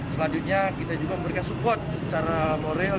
selanjutnya kita juga memberikan support secara moral